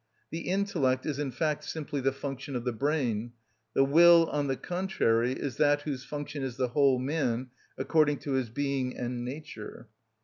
The intellect is in fact simply the function of the brain; the will, on the contrary, is that whose function is the whole man, according to his being and nature.